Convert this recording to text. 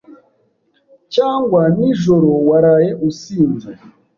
Cyangwa ni ijoro waraye usinze